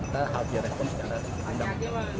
kita harus berhubung secara undang undang